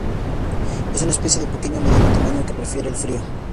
Es una especie de pequeño a mediano tamaño que prefiere el frío.